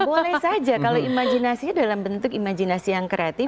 boleh saja kalau imajinasinya dalam bentuk imajinasi yang kreatif